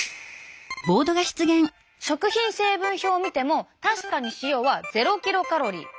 食品成分表を見ても確かに塩はゼロキロカロリー！